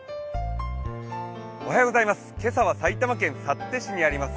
今朝は埼玉県幸手市にあります